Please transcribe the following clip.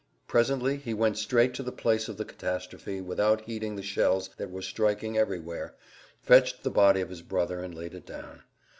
Presently he went straight to the place of the catastrophe without heeding the shells that were striking everywhere, fetched the body of his brother and laid it down.